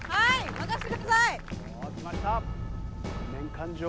「任せてください」。